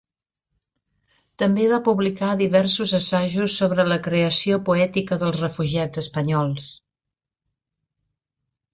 També va publicar diversos assajos sobre la creació poètica dels refugiats espanyols.